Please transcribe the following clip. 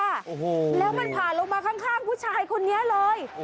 แล้วมันผ่าลงมาข้างคุณชายคนนี้เลย